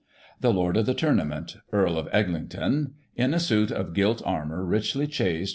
THE LORD OF THE TOURNAMENT. Earl of Eglington. Groom. In a suit of Gilt Armour, richly chased, Groom.